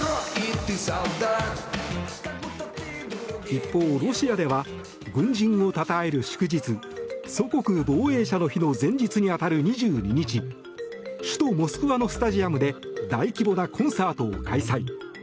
一方、ロシアでは軍人をたたえる祝日祖国防衛者の日の前日に当たる２２日首都モスクワのスタジアムで大規模なコンサートを開催。